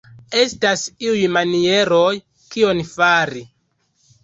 Estas iuj manieroj kion fari.